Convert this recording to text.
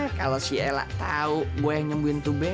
yaa kalau si ella tau gue nyembuhin itu beo